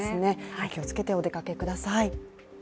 お気をつけてお出かけください。